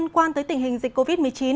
quan tới tình hình dịch covid một mươi chín